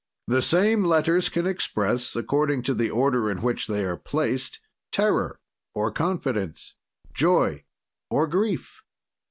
"The same letters can express, according to the order in which they are placed, terror or confidence, joy or grief.